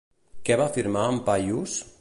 Què va afirmar en Paiús?